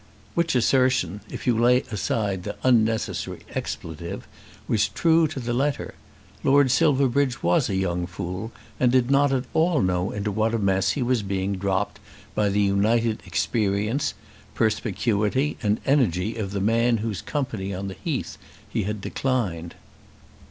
Which assertion, if you lay aside the unnecessary expletive, was true to the letter. Lord Silverbridge was a young fool, and did not at all know into what a mess he was being dropped by the united experience, perspicuity, and energy of the man whose company on the Heath he had declined.